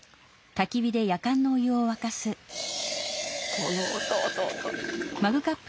この音音！